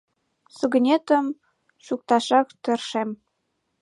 — Сугынетым шукташак тыршем...